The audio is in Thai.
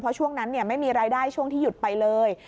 เพราะช่วงนั้นไม่มีรายได้ช่วงที่หยุดไปเลย